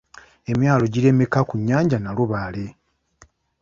Emyalo giri emeka ku nnyanja Nalubaale?